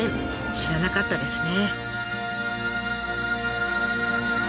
知らなかったですね。